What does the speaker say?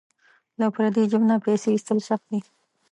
له پردي جیب نه پیسې ایستل سخت دي.